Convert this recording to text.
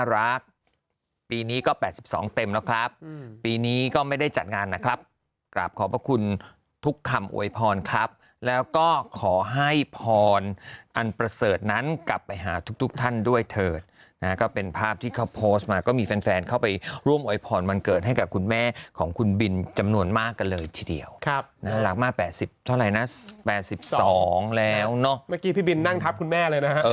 รักปีนี้ก็๘๒เต็มแล้วครับปีนี้ก็ไม่ได้จัดงานนะครับกราบขอบพระคุณทุกคำอวยพรครับแล้วก็ขอให้พรอันประเสริฐนั้นกลับไปหาทุกท่านด้วยเถิดนะฮะก็เป็นภาพที่เขาโพสต์มาก็มีแฟนแฟนเข้าไปร่วมโวยพรวันเกิดให้กับคุณแม่ของคุณบินจำนวนมากกันเลยทีเดียวครับน่ารักมาก๘๐เท่าไหร่นะ๘๒แล้วเนาะเมื่อกี้พี่บินนั่งทับคุณแม่เลยนะฮะ